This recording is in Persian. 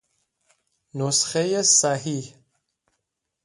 نسخهُ صحیح